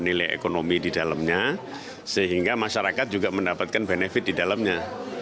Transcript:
nilai ekonomi di dalamnya sehingga masyarakat juga mendapatkan benefit di dalamnya